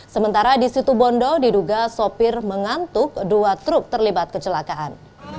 sementara di situ bondo diduga sopir mengantuk dua truk terlibat kecelakaan